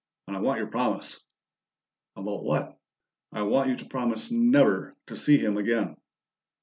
I want your promise." "About what?" "I want you to promise never to see him again."